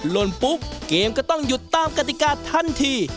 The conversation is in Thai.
ลนปุ๊บเกมก็ต้องหยุดตามกติกาทันที